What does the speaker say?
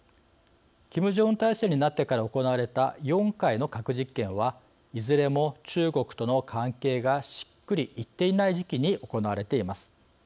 キム・ジョンウン体制になってから行われた４回の核実験は、いずれも中国との関係がしっくりいっていない時期に行われています。